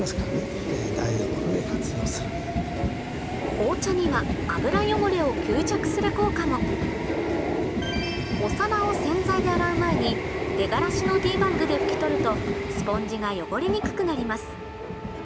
紅茶には油汚れを吸着する効果もお皿を洗剤で洗う前に出がらしのティーバッグで拭き取るとスポンジが汚れにくくなります